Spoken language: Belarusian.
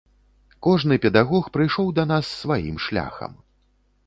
Кожны педагог прыйшоў да нас сваім шляхам.